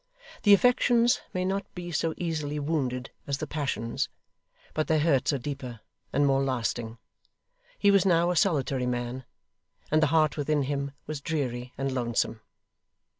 The affections may not be so easily wounded as the passions, but their hurts are deeper, and more lasting. He was now a solitary man, and the heart within him was dreary and lonesome.